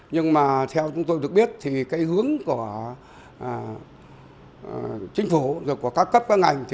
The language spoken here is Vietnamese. nhưng mà theo chúng tôi được biết thì hướng của chính phủ và các cấp các ngành